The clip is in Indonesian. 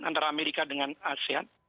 antara amerika dengan asean